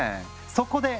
そこで！